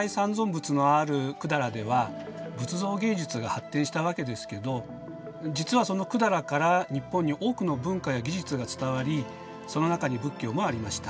仏のある百済では仏像芸術が発展したわけですけど実はその百済から日本に多くの文化や技術が伝わりその中に仏教もありました。